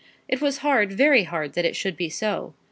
It was hard, very hard, that it should be so.